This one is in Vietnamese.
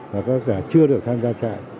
và các tác giả chưa được tham gia trại